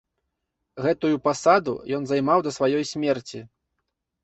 Гэтую пасаду ен займаў да сваей смерці.